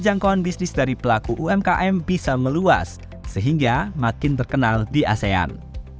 jangkauan bisnis dari pelaku umkm bisa meluas sehingga makin terkenal di asean